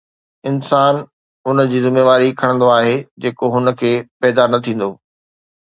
انسان ان جي ذميواري کڻندو آهي جيڪو هن کي پيدا نه ٿيندو